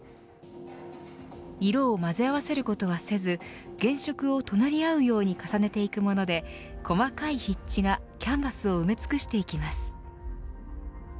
色をまぜ合わせることはせず原色を隣り合うように重ねていくもので細かい筆致がキャンバスを埋め尽くしていきます。